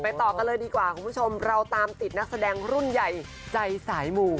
ต่อกันเลยดีกว่าคุณผู้ชมเราตามติดนักแสดงรุ่นใหญ่ใจสายหมู่